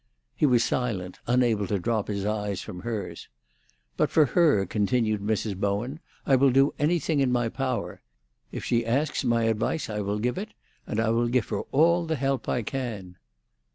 He was silent, unable to drop his eyes from hers. "But for her," continued Mrs. Bowen, "I will do anything in my power. If she asks my advice I will give it, and I will give her all the help I can."